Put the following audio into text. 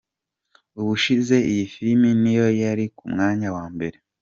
Ubushize iyi filime niyo yari ku mwanya wa mbere.